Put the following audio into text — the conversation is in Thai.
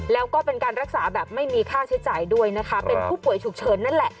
แล้วก็เป็นการรักษาแบบไม่มีค่าใช้จ่ายด้วยนะคะเป็นผู้ป่วยฉุกเฉินนั่นแหละ